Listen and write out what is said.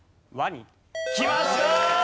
きました！